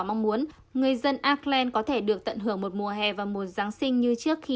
mong muốn người dân iceland có thể được tận hưởng một mùa hè và mùa giáng sinh như trước khi